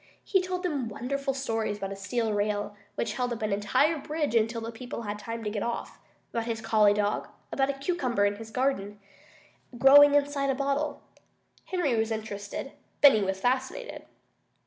He told them wonderful stories about a steel rail which held up an entire bridge until the people had time to get off, about his collie dog, about a cucumber in his garden, growing inside of a glass bottle. Henry was interested. Benny was fascinated.